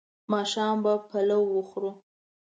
ماښام به پلاو وخورو